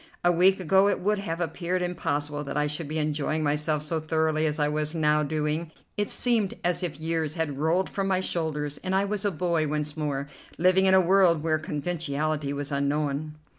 A week ago it would have appeared impossible that I should be enjoying myself so thoroughly as I was now doing. It seemed as if years had rolled from my shoulders, and I was a boy once more, living in a world where conventionality was unknown.